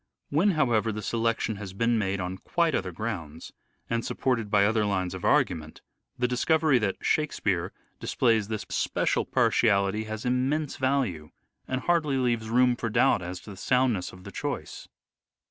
When, however, the selection has been made on quite other grounds, and supported by other lines of argument, the discovery that " Shakespeare " displays this special partiality has immense value, and hardly leaves room for doubt as to the soundness of the choice.